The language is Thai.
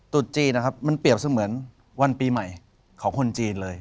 จุดจีนนะครับมันเปรียบเสมือนวันปีใหม่ของคนจีนเลย